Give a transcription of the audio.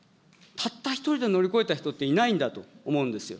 たった一人で乗り越えられた人って、いないんだと思うんですよ。